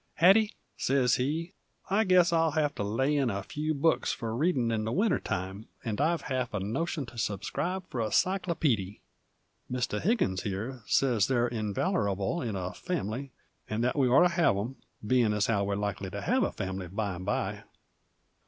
"Hattie," sez he, "I guess I'll have to lay in a few books f'r readin' in the winter time, 'nd I've half a notion to subscribe f'r a cyclopeedy. Mr. Higgins here says they're invalerable in a family, and that we orter have 'em, bein' as how we're likely to have the fam'ly bime by."